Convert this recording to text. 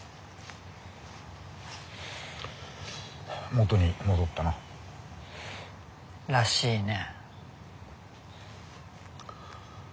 元に戻ったな。らしいね。